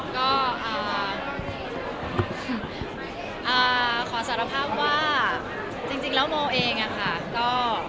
ก็ขอสารภาพว่าจริงแล้วโมเองอะค่ะก็